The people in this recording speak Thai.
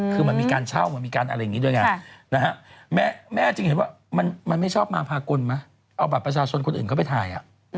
คือเหมือนมีการเช่าเหมือนมีการอะไรอย่างนี้ด้วยไงนะฮะแม่จึงเห็นว่ามันไม่ชอบมาพากลไหมเอาบัตรประชาชนคนอื่นเข้าไปถ่าย